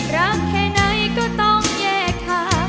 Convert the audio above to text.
รักแค่ไหนก็ต้องแยกทาง